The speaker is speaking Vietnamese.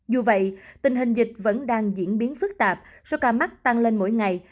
dù vậy tình hình dịch vẫn đang diễn biến phức tạp số ca mắc tăng lên mỗi ngày